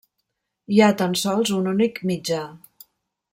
Hi ha tan sols un únic mitjà.